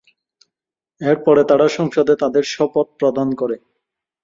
এর পরে তারা সংসদে তাদের শপথ প্রদান করে।